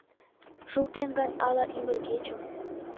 Шуктем гын, ала ӱмыргечым